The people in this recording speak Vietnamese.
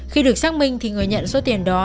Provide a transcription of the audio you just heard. khi được xác minh thì người nhận số tiền đó